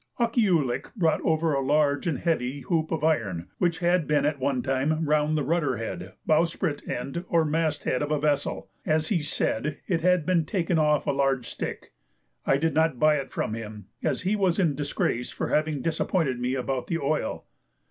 Akkeeoulik brought over a large and heavy hoop of iron, which had been at one time round the rudder head, bowsprit end, or mast head of a vessel, as he said it had been taken off a large stick. I did not buy it from him, as he was in disgrace for having disappointed me about the oil.